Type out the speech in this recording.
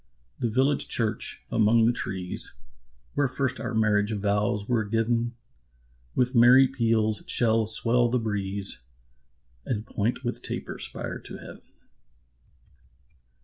The village church, among the trees, Where first our marriage vows were giv'n, With merry peals shall swell the breeze, And point with taper spire to heav'n.